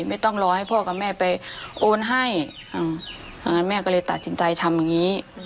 ไม่ต้องรอให้พ่อกับแม่ไปโอนให้ตอนนั้นแม่ก็เลยตัดสินใจทำอย่างนี้